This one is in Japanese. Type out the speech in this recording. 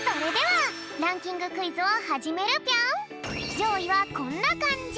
じょういはこんなかんじ。